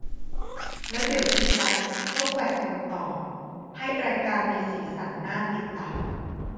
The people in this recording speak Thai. แล้วเดี๋ยวอีกแป๊ปก็แขวะกันต่อ ให้รายการมีสีสันน่าติดตาม